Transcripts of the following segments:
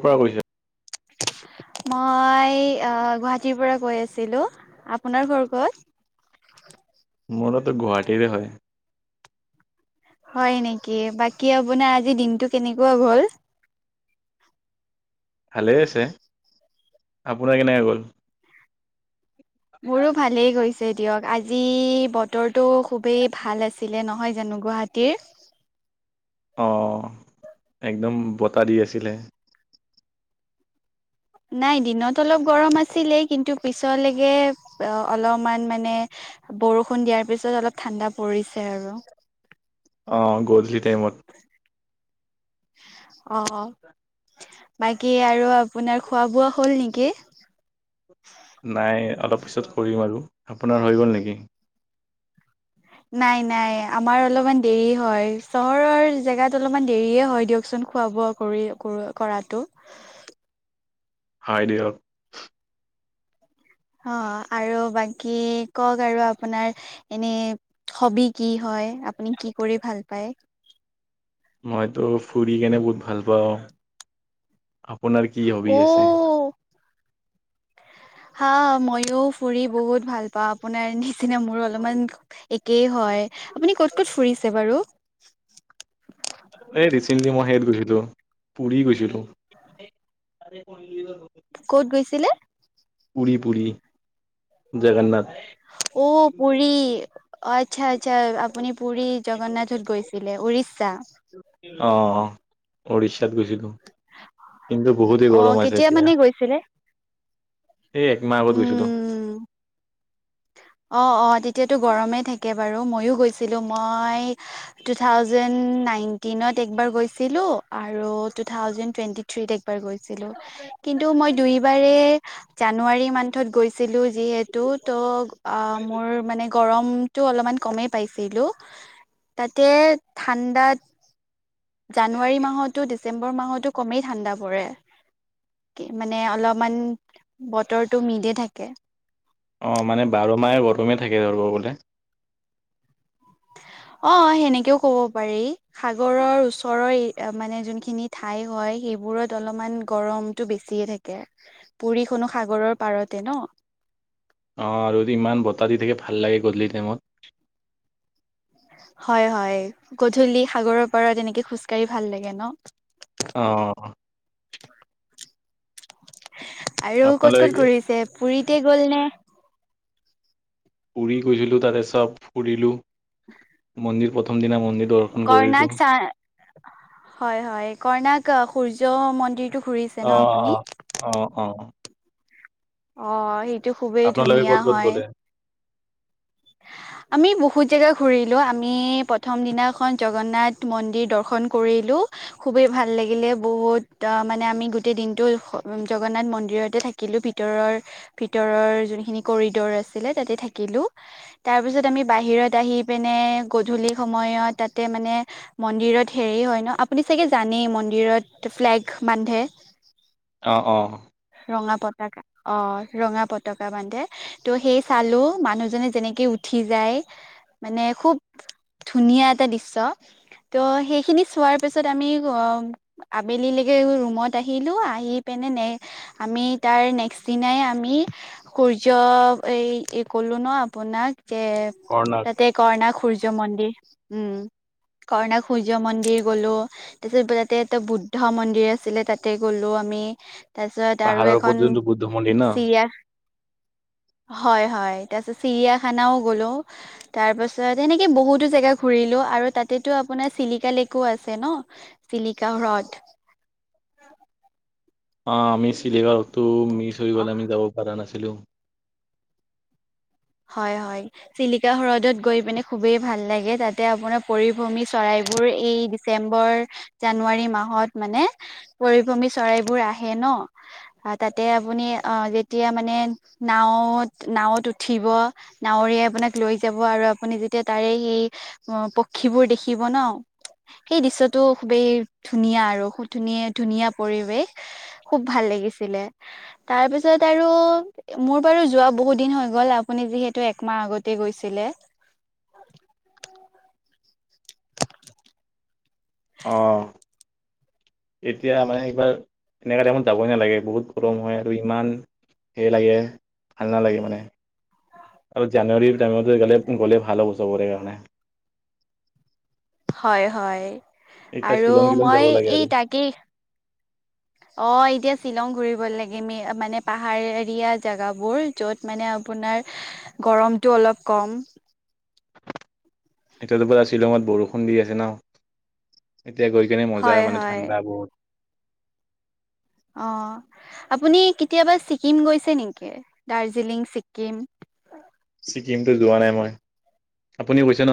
কিবা কৰিছে? মই আ, গুৱাহাটীৰ পৰা গৈ আছিলোঁ আপোনাৰ ঘৰ ক'ত? মোৰটো গুৱাহাটীৰে হয়। হয় নেকি বাকী আপোনাৰ আজি দিনটো কেনেকুৱা গ'ল? ভালেই আছে আপোনাৰ কেনেকা গ'ল? মোৰো ভালেই গৈছে দিয়ক আজি বতৰটো খুবেই ভাল আছিলে নহয় জানো গুৱাহাটীৰ? অ', একদম বতাহ দি আছিলে। নাই দিনত অলপ গৰম আছিলেই কিন্তু পিছলেকে অ, অলপমান মানে বৰষুণ দিয়াৰ পিছত অলপ ঠাণ্ডা পৰিছে আৰু [inaudible] অ', গধূলি টাইমত। অ', বাকী আৰু আপোনাৰ খোৱা-বোৱা হল নেকি? নাই অলপ পিছত কৰিম আৰু আপোনাৰ হৈ গ'ল নেকি? নাই নাই। আমাৰ অলপমান দেৰি হয় চহৰৰ জেগাত অলপমান দেৰিয়ে হয় দিয়কচোন খোৱা বোৱা কৰি কৰাতো। [inaudible] হয় দিয়ক। অ', আৰু বাকী কওঁক আৰু আপোনাৰ এনে হবি কি হয়? হয় আপুনি কি কৰি ভাল পায়? মইতো ফুৰি কেনে বহুত ভাল পাওঁ। আপোনাৰ কি হবি অ আছে? হা, মইও ফুৰি বহুত ভাল পাওঁ আপোনাৰ নিচিনা মোৰো অলপমান একেই হয় আপুনি ক'ত ক'ত ফুৰিছে বাৰু? এই ৰিচেণ্টলি মই সেইত গৈছিলোঁ পুৰী গৈছিলোঁ। ক'ত গৈছিলে পুৰী পুৰী জগন্নাথ। অ', পুৰী আচ্ছা আচ্ছা আপুনি পুুৰী জগন্নাথত গৈছিলে উৰিষ্যা? অ' উৰিষ্যাত গৈছিলোঁ কিন্তু বহুতেই অ গৰম আছে কেতিয়া মানে এতিয়া। গৈছিলে এই একমাহ আগত গৈছিলোঁ। উম অ, অ, তেতিয়াতো গৰমেই থাকে। বাৰু ময়ো গৈছিলোঁ মই টু থাউজেণ্ড নাইনটিনত একবাৰ গৈছিলোঁ আৰু টু থাউজেণ্ড টুৱেন্টি থ্ৰিত গৈছিলোঁ কিন্তু মই দুই বাৰে জানুৱাৰী মনথত গৈছিলোঁ যিহেতু ত' আ, মোৰ মানে গৰমটো অলপমান কমেই পাইছিলোঁ তাতে ঠাণ্ডাত জানুৱাৰী মাহতো, ডিচেম্বৰ মাহতো কমেই ঠাণ্ডা পৰে। কি মানে অলপমান বতৰটো মিলে থাকে। অ', মানে বাৰ মাহে গৰমে থাকে [unintelligible] গ'লে। [inaudible] অ', সেনেকেও ক'ব পাৰি সাগৰৰ ওচৰৰ এ মানে যোনখিনি ঠাই হয়। এইবোৰত অলপমান গৰমটো বেছিয়ে থাকে, পুৰিখনো সাগৰৰ পাৰতে ন'। অ', আৰু ইমান বতাহ দি থাকে ভাল লাগে গধূলি টাইমত। হয়, হয়, গধূলি সাগৰৰ পাৰত তেনেকে খোজকাঢ়ি ভাল লাগে ন'। অ'। [inaudible] আৰু ক'ত ক'ত আপোনালোকে ঘূৰিছে? পুৰীতে গ'ল নে? পুৰি গৈছিলোঁ তাতে চব ফুৰিলো মন্দিৰ প্ৰথম দিনা ম কৰ্ণাক চা হয়, হয় কৰ্ণাক সূৰ্য মন্দিৰটো ফুৰিছে অ ন' আপুনি? অ অ অ অ', সেইটো খুবেই আপোনালোকে ধুনীয়া ক'ত ক'ত হয়। গ'লে? আমি বহুত জেগা ঘূৰিলো আমি প্ৰথম দিনাখন জগন্নাথ মন্দিৰ দৰ্শন কৰিলোঁ খুবেই ভাল লাগিলে বহ বহুত অ', মানে আমি গোটেই দিনটো জগন্নাথ মন্দিৰতে থাকিলো ভিতৰৰ ভিতৰ ৰৰ যোনখিনি কৰিডৰ আছিলে তাতে থাকিলোঁ। তাৰপিছত আমি বাহিৰত আহি পিনে গধূলি সময়ত তাতে মানে মন্দিৰত হেৰি ৰি হয় ন' আপুনি চাগে জানেই মন্দিৰত ফ্লেগ বান্ধে। অ', অ'। ৰঙা পতাকা অ', ৰঙা পতাকা বান্ধে ত' সেই চালো মানুহজনে যেনেকে উঠি যি যায় মানে খুব ধুনীয়া এটা দৃশ্য। ত' সেইখিনি চোৱাৰ পিছত আমি অ', আবেলিলৈকে ৰুমত আহিলো আহি পিনে নে আমি তাৰ নেক্সট দিনাই আমি সূৰ্য এই এই ক'লো ন' আপোনাক। যে কৰ্ণাক তাতে কৰ্ণাক সূৰ্য মন্দিৰ, উম। কৰ্ণাক সূৰ্য মন্দিৰ গ'লো তাৰপিছত তাতে এটা বুদ্ধ মন্দিৰ আছিলে তাতে গ'লো। মি তাৰপিছত আৰু পাহাৰৰ ওপৰত এখন যোনটো বুদ্ধ মন্দিৰ ন চিৰিয়া হয়, হয় তাৰপিছত চিৰিয়াখানাও গ'লো, তাৰপাছত এনেকে বহুতো জেগা ঘূৰি লো, আৰু তাতেটো আপোনাৰ চিলিকা লেকো আছে ন' চিলিকা হ্ৰদ। অ', আমি চিলিগা হ্ৰদটো মিচ হৈ গ'ল, আমি যাব পাৰা নাছিলোঁ। হয়, হয় চিলিকা হ্ৰদত গৈ পিনে খুবেই ভাল লাগে, তাতে আপোনাৰ পৰিভ্ৰমী চৰাই বোৰ এই ডিচেম্বৰ, জানুৱাৰী মাহত মানে পৰিভ্ৰমী চৰাইবোৰ আহে ন' তাতে আপুনি অ', যেতিয়া মানে নাওঁত, নাওঁত উ উঠিব, নাৱৰীয়া আপোনাক লৈ যাব আৰু আপুনি যেতিয়া তাৰে সেই পক্ষীবোৰ দেখি [unintelligible] সেই দৃশ্যটো খুবেই ধুনীয়া আৰু খুব ধুনীয়া, ধুনীয়া পৰিৱেশ খুব ভাল লাগিছিলে, তাৰপিছত আৰু মোৰ বাৰু যোৱা বহুত দিন হৈ গ'ল আপুনি যিহেতু একমাহ আগতে গৈছিলে। অ', এতিয়া মানে এইবাৰ এনেকা টাইমত যাবই নালাগে বহুত গৰম হয়, আৰু ইমান হে লাগে, ভাল নালাগে মানে আৰু জানুৱাৰীৰ টাইমতে গ'লে, গ'লে ভাল হ'ব চবৰে কাৰণে হয়, হয়। এতিয়া আৰু শ্বিলং শ্বিলং মই যাব লাগে এই আৰু তাকেই। অ', এতিয়া শ্বিলং ঘূৰি [unintelligible] মানে পাহাৰীয়া জেগাবোৰ য'ত মানে আপোনাৰ গৰমতো অলপ কম এতিয়াতো পুৰা শ্বিলঙত বৰষুণ দি আছে ন এতিয়া গৈ কিনে মজা হয় মানে হয় ঠাণ্ডা বহুত অ আপুনি কেতিয়াবা ছিকিম গৈছে নেকি দাৰ্জিলিং ছিকিম ছিকিমতো যোৱা নাই মই আপুনি গৈছে ন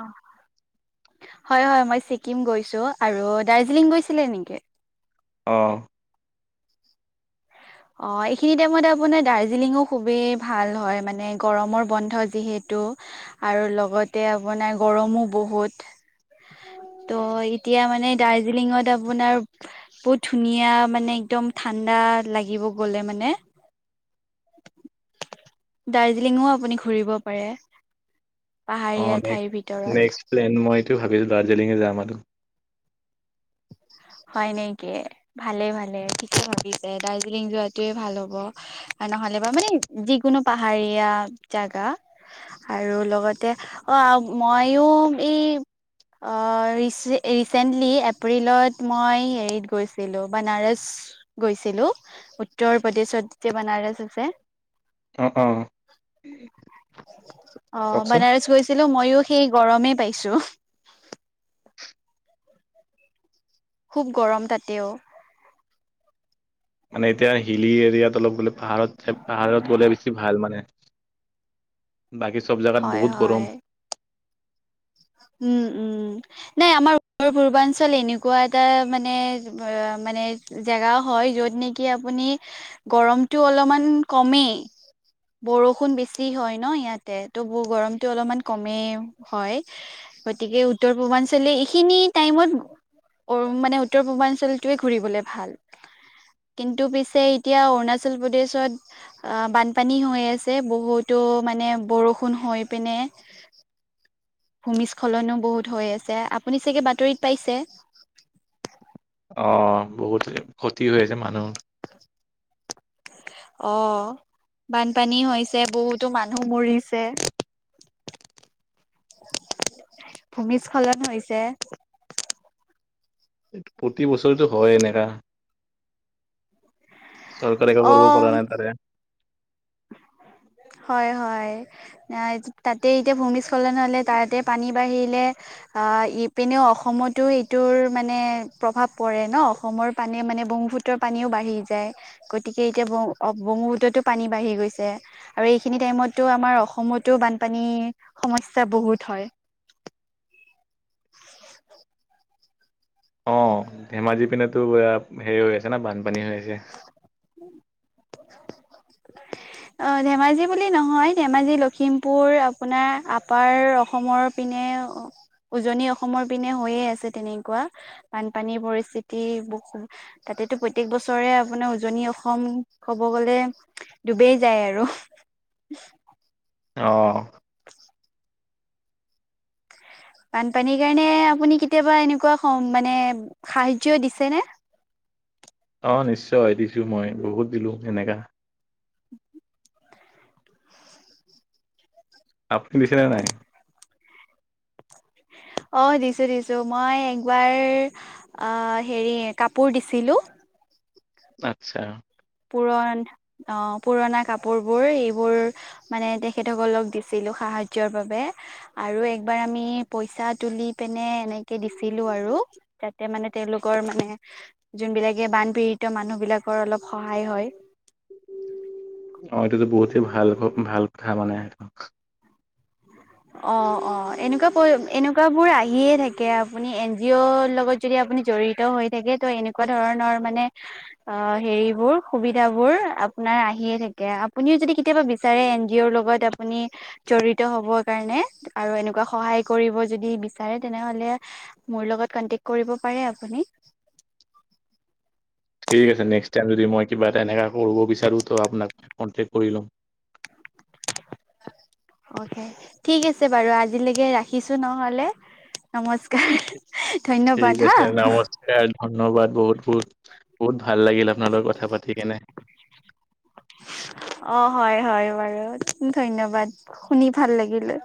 অ হয় হয় মই ছিকিম গৈছোঁ আৰু দাৰ্জিলিং গৈছিলে নেকি আহ অ এইখিনি টাইমত আপোনাৰ দাৰ্জিলিঙো খুবেই ভাল হয় মানে গৰমৰ বন্ধ যিহেতু টো আৰু লগতে আপোনাৰ গৰমো বহুত উ ত' এতিয়া মানে দাৰ্জিলিঙত আপোনাৰ বহুত ধুনীয়া মানে একদম ঠাণ্ডা লাগে [unintelligible] ব গ'লে মানে দাৰ্জিলিঙও আপুনি ঘুৰিব পাৰে পাহাৰীয়া অে ঠাইৰ ভিতৰত নেক্স প্লেন মই তো ভাবিলো দাৰ্জিলিঙে যাম আৰু হয় নেকি ভালে ভালে থিকে ভাবিছে দাৰ্জিলিং যোৱাতোৱে ভাল হ'ব নহ'লে বা মানে যিকোনো পাহাৰীয়া জাগা আৰু লগতে অ আ ময়ো এইচ ৰিচেণ্টলি এপ্ৰিলত, মই হেৰিত গৈছিলো বানাৰস গৈছিলো উত্তৰ প্ৰদেশত যেতি বনাৰ, গেজ আছে। অ ক, অ বানাৰস গৈছিলো মইও, সেই গৰমেই পাইছো। খুব গৰম তাতেও, মানে এতিয়া হিলী এৰিয়াত অলপ গলে পাহাৰত পাহাৰত গ'লে বেছি ভাল মানে। বাকী চব জাগাত হয় বহুত হয় গৰম। উম উম নাই আমাৰ উত্তৰ পূৰ্বাঞ্চল এনেকুৱা এটা মানে, মানে জেগা হয় যত নেকি আপুনি গৰমতটো অলপমান কমেই। বৰষুণ বেছি হয় ন ইয়াতে ত গৰমতটো অলপমান কমেই হয়। গতিকে উত্তৰ পূৰ্বাঞ্চলে এইখিনি টাইমত। অ মানে উত্তৰ পূৰ্বাঞ্চলটোৱে ঘূৰিবলে ভাল। কিন্তু পিছে এতিয়া অৰুণাচল প্ৰদেশত অ বানপানী হৈ আছে বহুত। তটো মানে বৰষুণ হৈ পিনে। ভূমিস্খলনো বহুত হৈ আছে আপুনি চাগে বাতৰিত পাইছে। অ বহুত ক্ষতি হৈ আছে মানুহ, অ বানপানী হৈছে বহুতো মানুহ মৰিছে। [inaudible] ভূমিস্খলন হৈছে। প্ৰতি বছৰেতটো হয় এনেকা। চৰকাৰে কাম বোৰ অ কৰা নাই তাৰে, হয় হয় তাতে এতিয়া ভূমিস্খলন হলে তাতে পানী বাঢ়িলে অ ইপিনেও অসমতো এইটোৰ মানে প্ৰভাৱ পৰে ন অসমৰ পানীয়ে মানে ব্ৰহ্মপূত্ৰৰ পানীও বাঢ়ি যায় গতিকে এতিয়া ব্ৰহ্মুপূতো পানী বাঢ়ি গৈছে আৰু এইখিনি টাইমতো আমাৰ অসমতো বানপানী সমস্যা বহুত হয় অ ধেমাজি পিনেতো হেৰি হৈ আছে না বানপানী হৈ আছে [inaudible] [inaudible] অ ধেমাজি বুলি নহয় ধেমাজি লখিমপুৰ আপোনাৰ আপাৰ অসমৰ পিন [inaudible] উজনি অসমৰ পিনে হৈয়ে আছে তেনেকুৱা বানপানীৰ পৰিস্থিতি বহু তাত তাতেটো প্ৰত্যক বছ চৰে আপোনাৰ উজনি অসম ক'ব গ'লে ডুবেই যায় আৰু। অ'। বানপানীৰ কাৰণে আপুনি কেতিয়াবা এনেকুৱা সম-মানে সাহাৰ্য দিছেনে? অ', নিশ্চয় দিছোঁ, মই বহুত দিলোঁ এনেকা। আপুনি দিছেনে নাই? অ', দিছোঁ, দিছোঁ মই একবাৰ অ', হেৰি কাপোৰ দিছিল লো আতছা। পুৰণ অ', পুৰণা কাপোৰবোৰ এইবোৰ মানে তেখেতসকলক দিছিলোঁ সাহা যৰ বাবে, আৰু একবাৰ আমি পইচা তুলি পিনে এনেকে দিছিলোঁ আৰু। যাতে মানে তেওঁলোকৰ মানে যোনবিলাকে বানপীড়িত মানুহবিলাকৰ অলপ সহায় হয়। অ', এইটোতো বহুতেই ভাল, ভাল কথা মানে। অ', অ', এনেকুৱা [unintelligible] এনেকুৱাবোৰ আহিয়ে থাকে, আপুনি এন জি অ'ৰ লগত যদি আপুনি জড়িত হৈ থাকে ত' এনে এনেকুৱা ধৰণৰ মানে অ', হেৰিবোৰ সুবিধাবোৰ আপোনাৰ আহিয়ে থাকে, আপুনি যদি কেতিয়াবা বিচাৰে এন জি অ'ৰ লগত আপুনি জড়িত হ'ব কাৰনে আৰু এনেকুৱা সহায় কৰিব যদি বিচাৰে তেনেহ'লে মোৰ লগত কণ্টেক কৰিব পা পাৰে আপুনি। ঠিক আছে নেক্সট টাইম যদি মই কিবা এটা এনেকা কৰোব বিচাৰোঁ ত' আপোনাক কণ্টেক কৰি ল'ম। অ'কে ঠিক আছে, বাৰু আজিলেকে ৰাখিছোঁ নহ'লে। নমস্কাৰ, ঠিক ধন্যবাদ হা। আছে নমস্কাৰ ধন্যবাদ বহুত, বহুত। বহুত ভাল লাগিল আপোনাৰ লগত কথা পাতি কেনে। অ' হয় হয়, বাৰু ধন্যবাদ। শুনি ভাল লাগিলে।